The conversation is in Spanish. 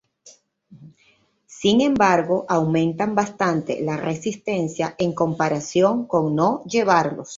Sin embargo, aumentan bastante la resistencia en comparación con no llevarlos.